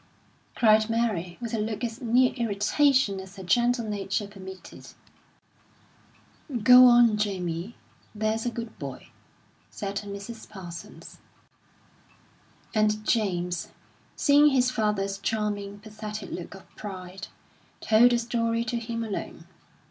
cried Mary, with a look as near irritation as her gentle nature permitted. "Go on, Jamie, there's a good boy," said Mrs. Parsons. And James, seeing his father's charming, pathetic look of pride, told the story to him alone.